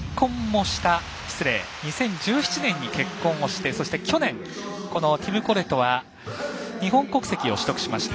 ２０１７年に結婚もしてそして去年、ティム・コレトは日本国籍を取得しました。